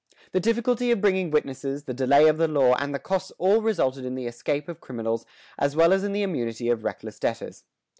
The difficulty of bringing witnesses, the delay of the law, and the costs all resulted in the escape of criminals as well as in the immunity of reckless debtors.